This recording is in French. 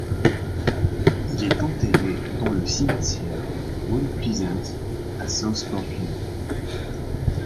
Il est enterré dans le cimetière Mount Pleasant, à South Portland.